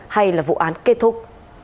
hay là vụ án kết thúc